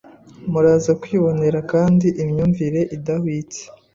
Muraza kwibonera kandi imyumvire idahwitse